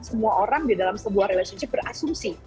semua orang di dalam sebuah relationship berasumsi